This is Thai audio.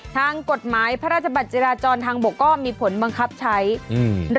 ทางกฎหมายพระราชบัตรจิราจรทางบกก็มีผลบังคับใช้อืม